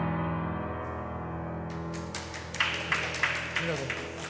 ありがとうございます。